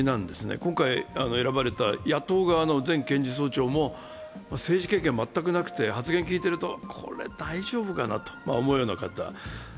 今回、選ばれた野党側の前検事総長も政治経験は全くなくて、発言を聞いているとこれ、大丈夫かなと思うような方。